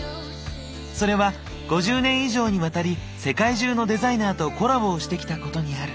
それは５０年以上にわたり世界中のデザイナーとコラボをしてきたことにある。